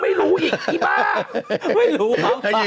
เป็นกระดุกไหมโชว์นี้